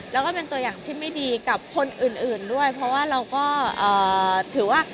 แล้วก็เป็นตัวอย่างที่ไม่ดีกับคนอื่นด้วยเพราะว่าเราก็ถือว่า